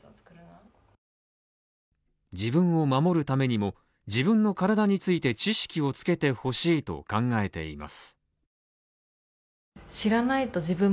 自分を守るためにも、自分の体について知識をつけてほしいと考えています。